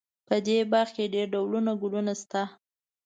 په دې باغ کې ډېر ډولونه ګلونه شته